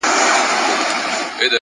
پرمختګ د دوامداره هڅې محصول دی.